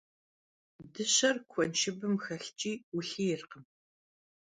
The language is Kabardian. Dışer kuenşşıbım xelhç'i vulhiyrkhım.